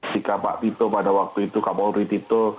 jika pak tito pada waktu itu kapolri tito